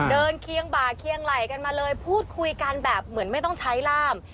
เดินเคี้ยงบ่าเคี้ยงไหล่กันมาเลยพูดคุยกันแบบไม่ต้องใช้ร่าม